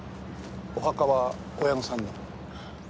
お墓は親御さんの？